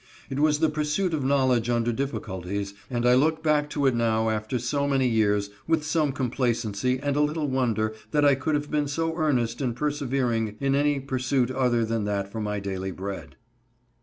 It was the pursuit of knowledge under difficulties, and I look back to it now, after so many years, with some complacency and a little wonder that I could have been so earnest and persevering in any pursuit other than for my daily bread.